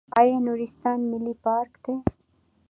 آیا نورستان ملي پارک دی؟